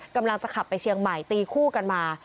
กำลังจะขับไปเชียงใหม่ตีคู่กันมา